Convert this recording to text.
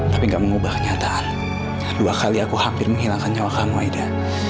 tapi gak mengubah kenyataan dua kali aku hampir menghilangkan nyawa kamu ida